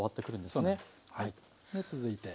で続いて。